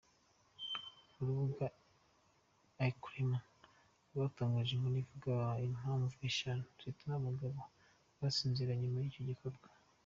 Urubuga Elcrema rwatangaje inkuru ivuga impamvu eshanu zituma abagabo basinzira nyuma y’icyo gikorwa.